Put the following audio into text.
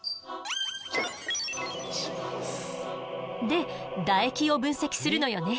で唾液を分析するのよね。